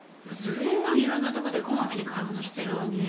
随分色んなところでこまめに買い物してるわね。